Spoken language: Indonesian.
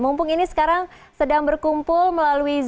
mumpung ini sekarang sedang berkumpul melalui zoom